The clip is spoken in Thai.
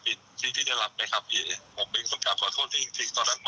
ส่วนที่เหลือเนี้ยผมขอเคลียร์ที่สิ้นเดือนได้ไหมครับสิ้นเดือนนี้นะคะเนอะ